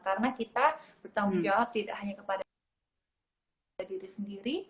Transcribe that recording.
karena kita bertanggung jawab tidak hanya kepada diri sendiri